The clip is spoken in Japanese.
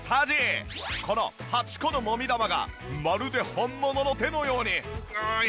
この８個のモミ玉がまるで本物の手のように。